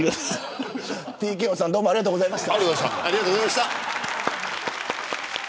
ＴＫＯさんどうもありがとうございました。